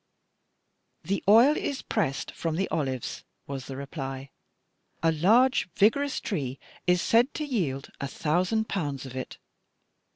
"The oil is pressed from the olives," was the reply; "a large, vigorous tree is said to yield a thousand pounds of it.